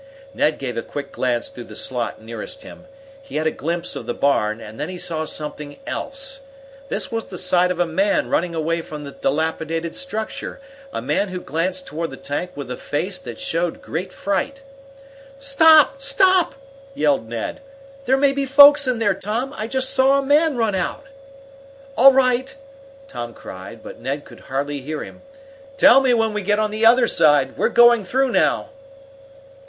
Ned gave a quick glance through the slot nearest him. He had a glimpse of the barn, and then he saw something else. This was the sight of a man running away from the dilapidated structure a man who glanced toward the tank with a face that showed great fright. "Stop! Stop!" yelled Ned. "There may be folks in there, Tom! I just saw a man run out!" "All right!" Tom cried, though Ned could hardly hear him. "Tell me when we get on the other side! We're going through now!"